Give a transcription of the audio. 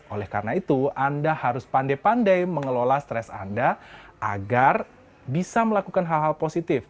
oleh karena itu anda harus pandai pandai mengelola stres anda agar bisa melakukan hal hal positif